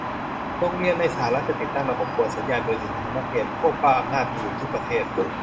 โรงเรียนในสหรัฐ จะติดตั้งระบบกวนสัญญาณมือถือของนักเรียน พวกบ้าอำนาจมีอยู่ทุกประเทศ